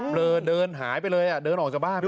เลอเดินหายไปเลยเดินออกจากบ้านไป